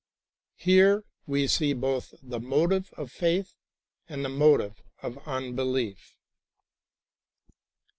Here we see l)oth the motive of faith and the motive of unbelief.